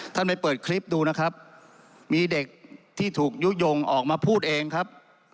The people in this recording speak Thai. ไปเปิดคลิปดูนะครับมีเด็กที่ถูกยุโยงออกมาพูดเองครับ